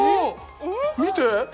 見て！